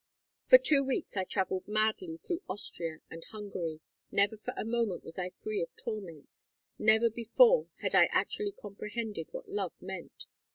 For two weeks I travelled madly through Austria and Hungary. Never for a moment was I free of torments. Never before had I actually comprehended what love meant.